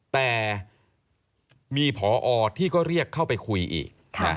แต่มีพอที่ก็เรียกเข้าไปคุยอีก